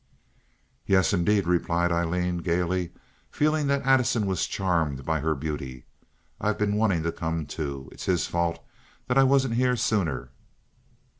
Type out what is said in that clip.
"Yes, indeed," replied Aileen, gaily, feeling that Addison was charmed by her beauty. "I've been wanting to come, too. It's his fault that I wasn't here sooner."